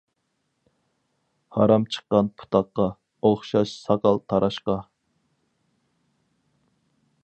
ھارام چىققان پۇتاققا، ئوخشاش ساقال تاراشقا.